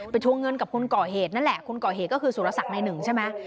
ทวงเงินกับคนก่อเหตุนั่นแหละคนก่อเหตุก็คือสุรศักดิ์ในหนึ่งใช่ไหม